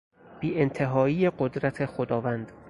بیانتهایی قدرت خداوند